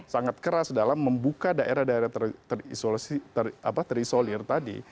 sangat keras dalam membuka daerah daerah terisolir tadi